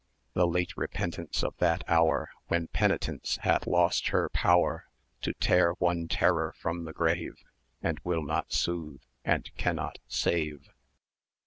The late repentance of that hour When Penitence hath lost her power To tear one terror from the grave,[ee] And will not soothe, and cannot save.